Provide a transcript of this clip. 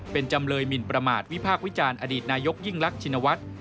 เป็นจำเลยหมินประมาทวิพากษ์วิจารณ์อดีตนายกยิ่งรักชินวัฒน์